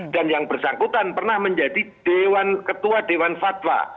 dan yang bersangkutan pernah menjadi ketua dewan fatwa